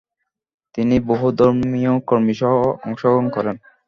তিনি বহু ধর্মীয় কর্মীসহ অংশগ্রহণ করেন।